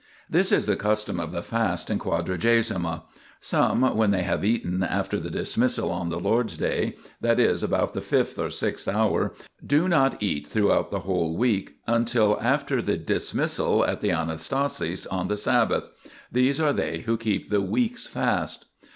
This is the custom of the fast in Quadragesima : some, when they have eaten after the dismissal on the Lord's Day, that is, about the fifth or sixth hour, do not eat throughout the whole week until after the dismissal at the Anastasis on the Sabbath ; these are they who keep the weeks' fast.